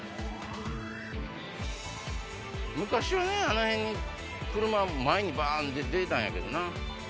昔はねあの辺に車前にバン出てたんやけどな。